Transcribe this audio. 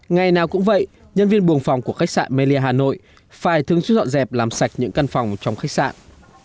ngày nào cũng vậy nhân viên buồng phòng của khách sạn melia hà nội phải thường xuyên dọn dẹp làm sạch những căn phòng trong khách sạn